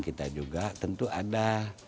kita juga tentu ada